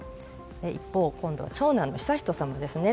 一方、今度は長男の悠仁さまですね。